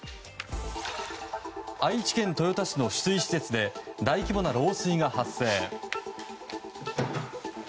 愛知県豊田市の取水施設で大規模な漏水が発生。